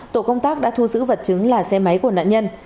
tổ công tác đã thu giữ vật chứng là xe máy của nạn nhân